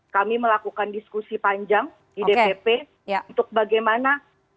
kami melakukan diskusi panjang di dpp untuk bagaimana